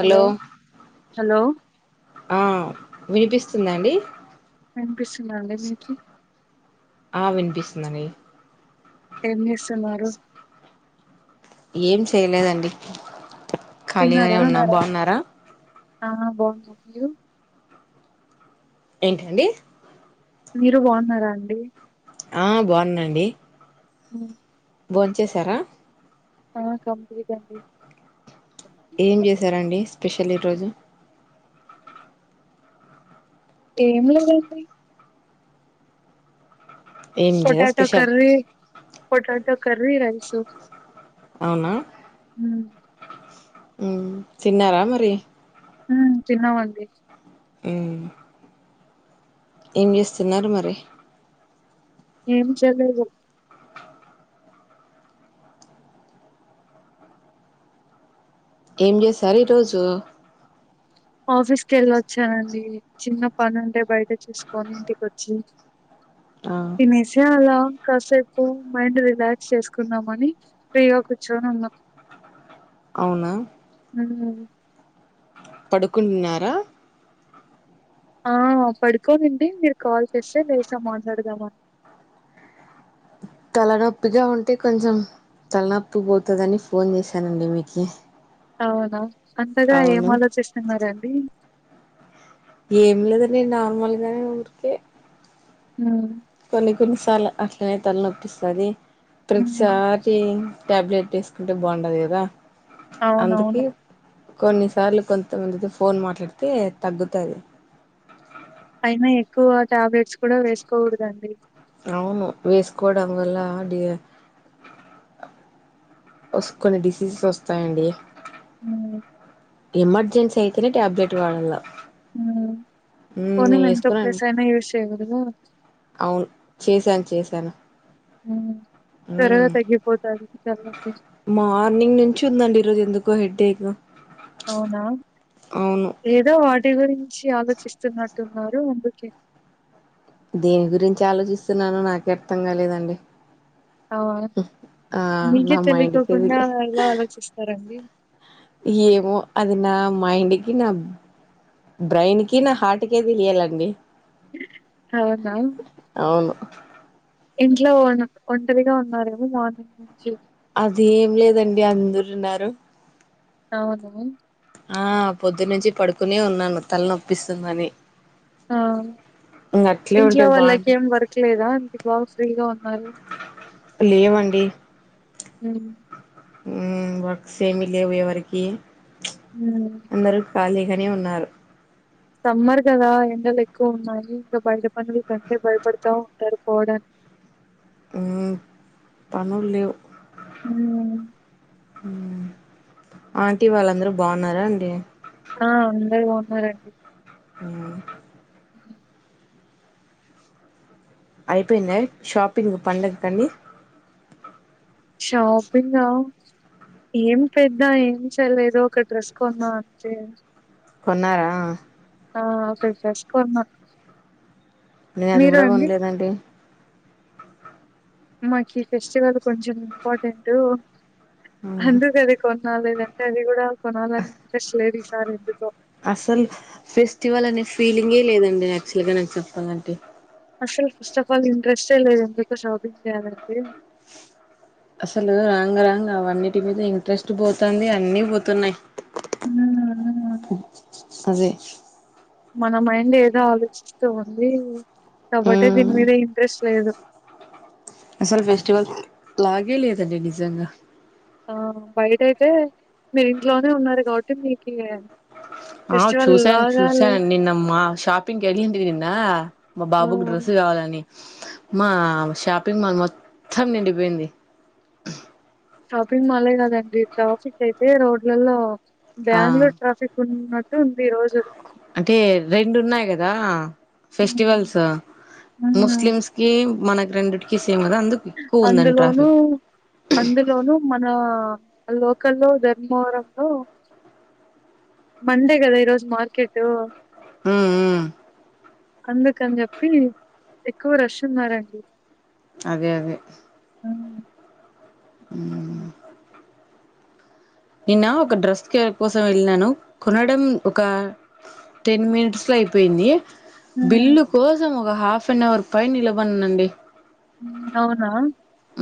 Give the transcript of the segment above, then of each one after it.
Hello hello స్తుందా అండి. విపిస్తుందా అండి మీకి ఆ [unintelligible] ఏం జేస్తున్నారు. ఏం చేయలేదండి. ఖాళీగానే తిన్నారా ఉన్నా బాగున్నారా ఆ బాగుంన్నాం మీరు ఏంటండి మీరు బాగున్నారా అండి ఆ బాగున్నా అండి ఉ భోంచేశారా ఆ కంప్లీట్ అండి ఏం చేశారండి స్పెషల్ ఈరోజు ఏం లేదండి ఏం లేదా potato special curry potato potato curry rice అవునా ఉ తిన్నారా మరి హ్ తిన్నామండి. హ్ ఏం జేస్తున్నారు. మరి ఏం చేయలేదు. ఏం చేసారు ఈరోజు ఆఫీస్కి వెళ్ళొచ్చానండి చిన్న పని ఉంటే బయట చూసుకొని ఇంటికి వచ్చి ఆ తినేసి అలా కాసేపు మైండ్ రిలాక్స్ చేసుకుందమని ఫ్రీగా కూర్చొని ఉన్నాం. అవునా ఊ పడుకున్నారా ఆ పడుకొన్నింటి మీరు కాల్ చేస్తే లేసా మాట్లాడదామ అని తలనొప్పిగా ఉంటే కొంచెం తలనొప్పి పోతుందని ఫోన్ చేశానండి మీకి అవునా అంతగా ఏం అవును ఆలోచిస్తున్నరు అండీ ఏం లేదండి నార్మల్గానే ఊరికే హ్మ్ కొన్ని కొన్నిసార్లు అట్లా అట్లనే తలనొప్పిస్తాది హ్మ్ ప్రతిసారి టాబ్లెట్ తీసుకుంటే బాగుండదు కదా అందుకే అవునవును కొన్నిసార్లు కొంతమందితో ఫోన్ మాట్లాడితే తగ్గుతాది అయినా ఎక్కువ టాబ్లెట్స్ కూడా వేసుకోకూడదు అండి అవును వేసుకోవడం వల్ల డి కొన్ని డిసీజెస్ వస్తాయండి హ్మ్ ఎమర్జెన్సీ అయితే వేరే ట్యాబ్లెట్ వాడాళ్ళ పోనీ మేము వేసుకున్నాను చెప్పేసైనా యూస్చేయరు ఉ అవును చేశాను చేశాను ఊ ఉ మార్నింగ్ నుంచి ఉందండి ఈరోజు ఎందుకో హెడ్ ఏగ అవునా ఏదో వాడు ఇంటి గురించి ఆలోచిస్తున్నట్టున్నారు అందుకే దేని గురించి ఆలోచిస్తున్నాను నాకే అర్థం కాలేదండి అ ఆ నా మీకే మైండ్కే తెలికోకుండా తెలి ఎలా ఆలోచిస్తారండి ఏమో అది నా మైండ్కి నా బ్రెయిన్ కి నా హార్ట్కే తెలియాలండి అవునా అవును ఇంట్లో ఒంటరీగా ఉన్నారేమో మార్నింగ్ నుంచి అది ఏం లేదండి అందరున్నారు అవును ఆ పొద్దునుంచి పడుకునే ఉన్నాను తలనొప్పిస్తుందని ఆ ఇంగ అట్లే ఇంట్లో ఉంటే వాళ్ళకి బాగుంటది ఏం వర్క్ లేదా ఇంటి బాగా ఫ్రీగా ఉన్నారు లేవండి హ ఉ వర్క్స ఏమి లేవు ఎవరికి ఉ అందరూ ఖాళీగానే ఉన్నారు సమ్మర్ కదా ఎండలు ఎక్కువ ఉన్నాయి ఇంకా బయట పనులు కంటే భయపడుతా ఉంటారు పోవడానికి ఉ పనుల్ లేవు ఉ ఆంటీ వాళ్ళందరూ బాగున్నారా అండి ఆ అందరు బాన్నారండి ఆ ఉ అయిపోయిందా షాపింగ్ పండగ కనీ షాపిింగా ఏం పెద్ద ఏం చేలేదో ఒక డ్రెస్ కొన్నా అంతే కొన్నారా ఆ ఒక డ్రెస్ కొన్న నేను అది కూడా కొనలేదండి మాకి ఈ ఫెస్టివల్ కొంచెం ఇంపార్టెంట్ అందు కది కొ ఆ లేదంటే అది కూడా కొనాలని ఇంట్రెస్ట్ లేదు [unintelligible] అసలు ఫెస్టివల్ అనే ఫీలింగే లేదండి యాక్చువల్ గా నాకు చెప్పాలంటే అసల్ ఫస్ట్ ఆఫ్ ఆల్ ఇంట్రెస్టే లేదు ఎందుకో షాపింగ్ చేయాలంటే. అసలు రాంగ రాంగ్ అవన్నిటి మీద ఇంట్రెస్ట్ పోతంది, అన్నీ పోతున్నాయి, అదే. మన మైండ్ ఏదో ఆలోచిస్తూ ఉంది. కాబట్టే దీని ఉమ్ మీద ఇంట్రెస్ట్ లేదు. అసలు ఫెస్టివల్, లాగే లేదండి నిజంగా. ఆ బయట అయితే, మీరు ఇంట్లోనే ఉన్నారు కాబట్టి మీకి. ఆ ఫెస్టివల్ చూశాను లాగాలే చూశాన్ నిన్న మా షాపింగ్ కి అలింది నిన్నా మా ఆ బాబుకి డ్రెస్సు కావాలని. మా షాపింగ్ మాల్ మొత్తం నిండిపోయింది. షాపింగ్ మాల్ కదండి, ట్రాఫిక్ అయితే రోడ్లలో. ఆ బ్యాళూర్ ట్రాఫిక్ ఉన్న. ఉంది రోజు అంటే రెండు ఉన్నాయి గదా ఉమ్. ఫెస్టివల్స్ ముస్లిమ్స్ కి మన రెండుట్కిస్ అందులోను అందులోను మనా అ. లోకల్లో ధర్మవరం లో, మండే గద ఈరోజు మార్కెటు. హు హు. అందుకని చెప్పి, ఎక్కువ రష్ ఉన్నారండి. అదేఅదే. హ్మ్. నిన్న ఒక డ్రెస్ కె కోసం వెళ్ళినాను, కొనడం ఒక, టెన్ మిట్స్ లో అయిపోయింది. హ్మ్. బిల్లు కోసం ఒగ హాఫ్. వన్ అవర్ పైన్ నిలబననండి. అవునా.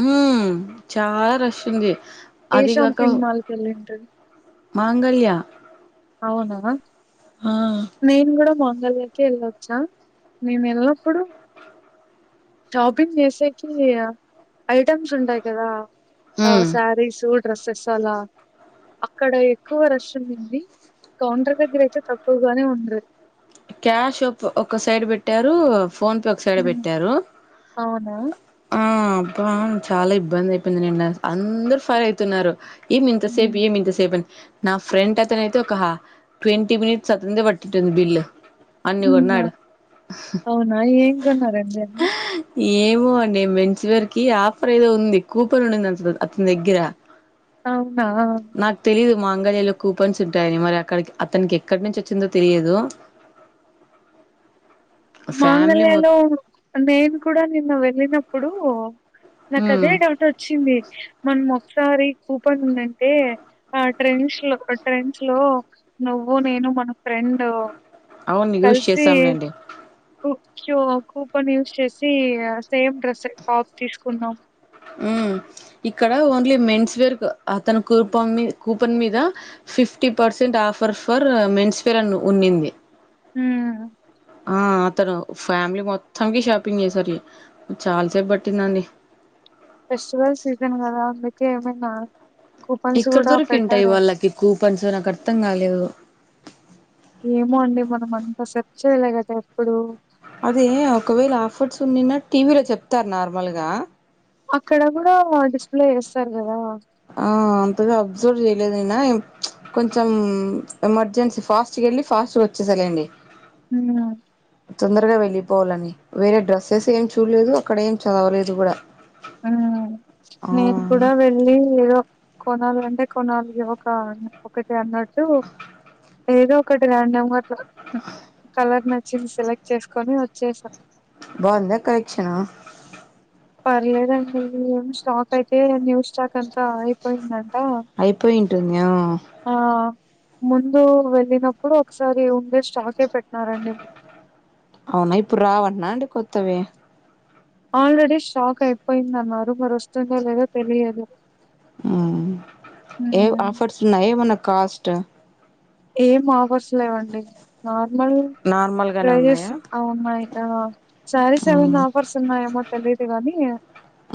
ఉమ్ చాలా రష్ ఉంది. ఏ అదిగాక షాంఫింగ్ మాల్. తెలిటర్. మాంగళ్య. అవుననా. ఆ నేను గుడ మా. గళ్ళకే ఎళ్ళొచ్చా మేమ్ వెళ్ళప్పుడు. షాపింగ్ జెసేకి అ ఐటమ్స్ ఉంటాయి కదా. అ ఉమ్ సారీ సూట్. డ్రసెస్ అలా, అక్కడ ఎక్కువ రష్ ఉండింది, కౌంటర్ దగ్గర అయితే తక్కువగానే ఉ. క్యాష్ అప్ ఒక్క సైడ్ పెట్టారూ. ఫోన్ పే ఒకసైడే పెట్టారు అవునా అ. చాలా ఇబ్బంది అయిపోయింది నిన్న, అందరు ఫైర్ అయితున్నారు. ఏమీంత సేపు, హ్మ్ ఏమీంత సేపు, అనీ. నా ఫ్రెండ్ అతనైతే ఒక హ ట్వంటీ మినిట్స్ అతందే పటెటటుంది బిల్లో అవునా, అవునా ఏంగోన్నారండి అన్నీ ఏమో అండి మేన్స్వెర్ కీ ఆఫర్ ఏదో ఉంది కూపన్ ఉండిదంట అతని దగ్గర. అవునా మాంగళ్యా లో కూపన్స్ ఉంటాయని మరి అక్కడకీ అతన్కి ఎక్కడి నుంచి వచ్చిందో తెలియదు. ఫ్యామిలీ మాంగళ్య మొ లో నేన్ కూడా నిన్న వెళ్లిన ప్పుడూ నాక్ అదే హ్మ్. డౌట్ వచ్చింది మన్మొ సారి కూపన్ ఉందంటే, ఆ ట్రెండ్స్ లో ట్రెండ్స్ లో నువ్వు నేను మన ఫ్రెండు అవును యూస్ చేసాం లేండి. కు క్యూ కూపన్ యూస్ చేసి అ సేమ్ డ్రెస్ టాప్ తీసుకున్నాం. ఇక్కడ ఓన్లీ మెన్స్వేర్ అ అతని కూపన్ కూపన్ మీద, fifty percent offer for menswear అని ఉన్నింది. ఉమ్. ఆ అతను ఫ్యామిలి మొత్తంకి షాపింగ్ చేసారు చాలాసెపట్టిందండి. ఫెస్టివల్ సీజన్ కదా అందుకే ఏమైనా. కూపన్స్ ఎక్కడ గూడా దొరికింటాయి పెట్టారేమో. వాళ్ళకి కూపన్సు నాకర్థంకలేదు. ఏమో అండి మనమనంత సెర్చ్ చేయలే కదా ఎప్పుడూ. అదే ఒకవేళ ఆఫర్స్ ఉన్నినా టీవీలో చెప్తరు నార్మల్గా. అక్కడ కూడా డిస్ప్లే ఎస్తరు కదా. ఆ అంతగా అబ్జార్ చేయ్. నేను నిన్న కొంచెం ఎమర్జెన్సీ ఫాస్ట్ ఎళ్ళి ఫాస్ట్ వచ్చేసలేండి. [unintelligible] తొందరగా వెళ్ళిపోవాలని, వేరే డ్రెస్సెస్ ఏం చూడలేదు, అక్కడ ఏం చదవలేదు, గుడ. హ నేను కూడా వెళ్ళి ఏదో. కొనాలి అంటే కొనాలి ఒక ఒకటి అన్నట్టు ఏదో ఒకటి రాండంగా కలర్ నచ్చింది సెలెక్ట్ చేసుకొని వచ్చేసా బాగుంద ఎక్క ఎక్షణ. పర్లేదండి ఏం స్టాక్ అయితే, న్యూ స్టాక్ అంతా అయిపోయిందండి. అయిపోయి ఆ. ముందు వెళ్ళినప్పుడు ఒకసారి ఉండే స్టాకే పెట్టినారండి. అవునా ఇప్పుడు రావంన్నా అండి కొత్తవి. ఆల్రెడీ షాక్ అయిపోయింద అన్నారు, మరి వొస్తుందో లేదో తెలియదు. ఊహు ఏ మ్మ్ ఆఫర్స్ ఉన్నాయి మన కాస్టు. ఏం ఆఫర్స్ లేవండి న. నార్మల్ గానే ఉన్నాయా సారీస్ ఏమై మ్మ్ ఆఫర్స్ ఉన్నాయమో తెలిదు గానీ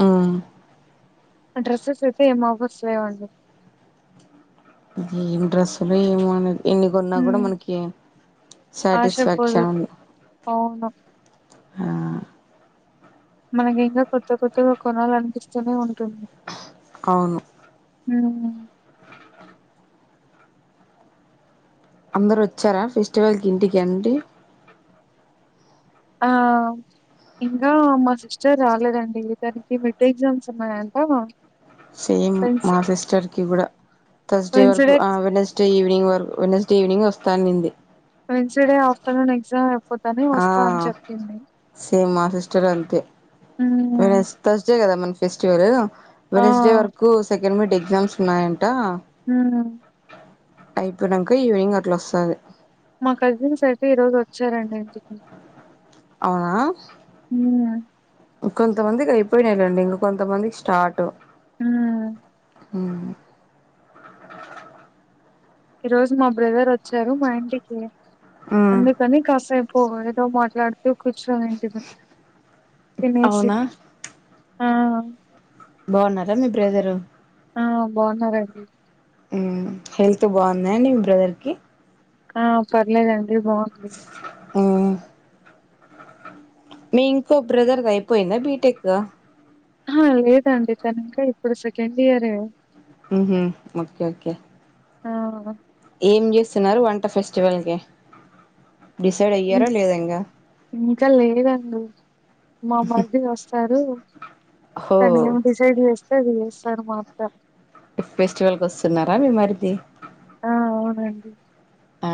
మ్మ్ డ్రెస్సెస్ అయితే ఎ మావ్వద్. విస్యం అండి. ఏం డ్రెస్సులు ఏమో అనాది ఎన్ని కొన్నా గుడ హ్మ్ మనకి, ఆశ పోదు సాటిస్ఫాక్షన్ ఉ. అవును ఆ. మనకి ఇంకా కొత్త కొత్తగా కొణాల అనిపిస్తూనే ఉంటుంది. అవును. హ్మ్ అందరు వొచ్చారా ఫెస్టివల్ కి ఇంటికి అండి. ఆ ఇంకా మా సిస్టర్ రాలేదండి, దానికి మెట్ ఎగ్జామ్స్ ఉన్నాయంటా. సేమ్ మా సిస్టర్కి గుడ, థర్స్డే వరకు, వెన్స్డే అ వెనస్డే ఈవినింగ్ వరకు, వెనస్. ఈవినింగ్ వొస్తా అనింది. వెన్స్డే ఆఫ్టర్నూన్ ఎగ్జామ్ ఎపు. ఆ సేమ్ మా సిస్టర్ అంతే, ఇవాళ హ్మ్ ఎస్తరడే రస్డే కదా మ. ఫెస్టివ్ [unintelligible] ఆ వెన్స్డే వరకు సె [unintelligible] డెగ్సామ్స్ ఉన్నాయ హ్మ్ అయిపోయినంక ఈవనింగ్ అట్ల వస్తది మా కజిన్స్ అయితే ఈ రోజు వచ్చారండి ఇంటికి. అవునా హ్మ్ కొంతమంది‌ కై పోయినయిలేండి ఇంగ కొంతమందికి స్టార్ట్ హా హ్మ్ ఈ రోజు మా బ్రదర్ వచ్చారు మా ఇంటికి. మ్ అందుకని కాసేపు ఏదో మాట్లాడు తు కూర్చోనింటిమి. అవునా ఫినేర్షిప్ ఆ బాగున్నారా మీ బ్రదరూ? ఆ బాగున్నారండి. మ్మ్ హెల్త్ బాగుందా అండి మీ బ్రదర్ కి? ఆ పర్లేదం డి బాగుంది. మ్ మీ ఇంకో బ్రదర్ది అయిపోయిందా బీటెక్. ఆ లేదండి తను ఇంకా ఇప్పుడు సెకండ్ ఇయరే. హుహ్ ఓకే ఓకే. ఆ ఏం చేస్తున్నారు వంట ఫెస్టివల్కి? ఇంక్ ఇంకా లేదండి మామర్ది వస్తారు. హో తను ఏమి డిసైడ్ చేస్ స్తారు మా అత్త. ఫెస్టివల్కొస్తున్నారా మీ మరిది. ఆ అవునండి. ఆ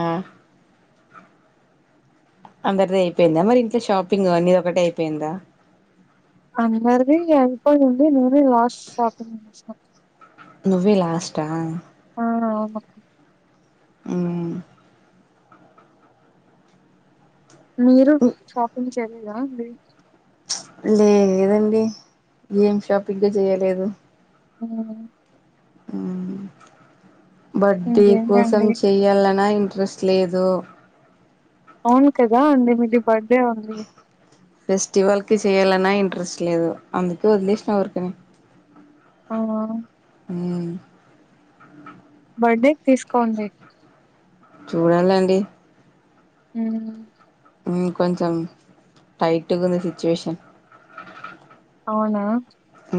అందరిది అయిపోయిందా మరి ఇంట్లో షాపింగ్ ఆ నీదొకటే అయిపోయిందా. పోయి ఉంది ను దే లాస్ట్ షాపింగ్ [inaudible] నువ్వే లాస్టా! ఆ అవును. హ్మ్ మీరు షాపింగ్ చెల్లిగా ఉంది. చ్ లేదండి ఏమ్ షాపింగే చేయలేదు. ఉ ఆ బర్డే కోసం ఇంకేంటండి చెయ్యాలనా ఇ డ్రస్ లేదు. అవును కదా అండి మీది బర్త్డే ఉంది. ఫెస్టివల్ కి చేయాలన్నా ఇంట్రెస్ట్ లేదు. అందుకే వదిలేసిన ఊరికనే. ఆ హ్ బర్త్డేకి తీసుకోండి. చూడాలండి. హు హ్ కొంచెం టైట్గుంది సిచ్యువేషన్. అవునా. హు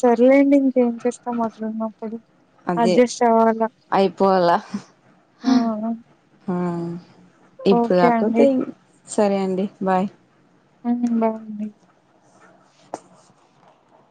సర్లెండి ఇంకేం చేస్తాం అట్లున్నం. అదే అడ్జెస్ట్ అవాల అయిపోవాలా ఆ ఆ ఆ ఇప్పుడు కాకపోతే సరే అండి బాయ్. అవును బావుంది.